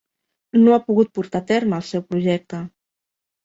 No ha pogut portar a terme el seu projecte.